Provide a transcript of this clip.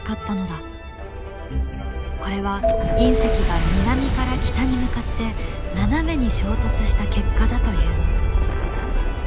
これは隕石が南から北に向かって斜めに衝突した結果だという。